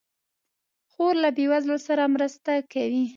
خور له بېوزلو سره مرسته کوي.